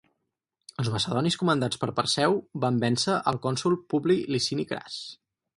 Els macedonis comandats per Perseu van vèncer al cònsol Publi Licini Cras.